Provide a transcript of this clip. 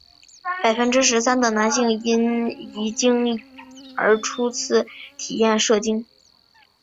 百分之十三的男性因遗精而初次体验射精。